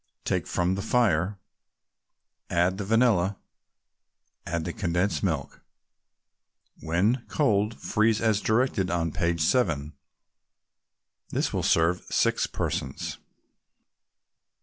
Take from the fire, add the vanilla and the condensed milk. When cold, freeze as directed on page 7. This will serve six persons.